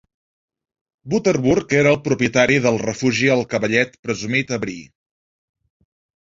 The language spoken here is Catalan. Butterbur era el propietari del refugi El Cavallet Presumit a Bree.